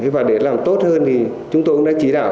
và để làm tốt hơn thì chúng tôi cũng đã chỉ đạo